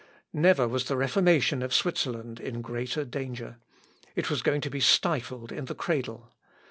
Never was the Reformation of Switzerland in greater danger. It was going to be stifled in the cradle.